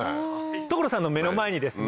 所さんの目の前にですね